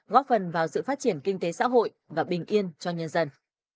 góp phần vào sự phát triển kinh tế xã hội và bình yên cho nhân dân